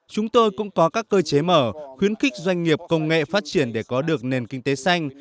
chúng tôi cũng có các cơ chế mở khuyến khích doanh nghiệp công nghệ phát triển để có được nền kinh tế xanh